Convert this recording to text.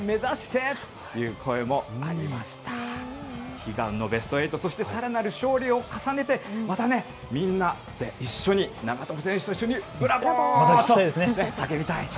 悲願のベスト８、そしてさらなる勝利を重ねてまたみんなで一緒に長友選手と一緒にブラボー！と叫びたい。